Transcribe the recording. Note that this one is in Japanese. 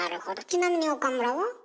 ちなみに岡村は？